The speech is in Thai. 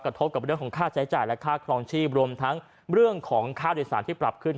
กระทบกับเรื่องของค่าใช้จ่ายและค่าครองชีพรวมทั้งเรื่องของค่าโดยสารที่ปรับขึ้น